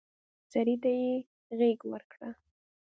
سړي ته يې غېږ ورکړه.